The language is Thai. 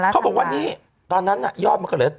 เขาบอกว่านี่ตอนนั้นน่ะยอดมกฤษ